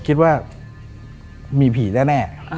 คิดว่ามีผีแน่